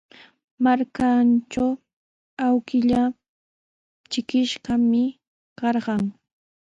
Markantraw awkilluu trikishqami karqan.